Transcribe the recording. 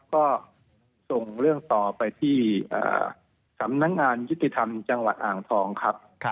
ก็ส่งเรื่องต่อไปที่สำนักงานยุติธรรมจังหวัดอ่างทองครับ